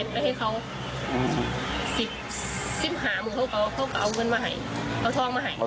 เพราะเขาก็โทรมาถามร่านท้อง